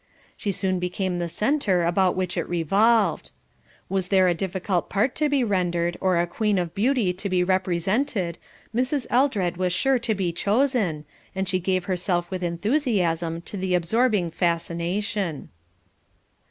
She soon became the centre about which it revolved. Was there a difficult part to be rendered, or a queen of beauty to be represented, Mrs. Eldred was sure to be chosen, and she gave herself with enthusiasm to the absorbing fascination.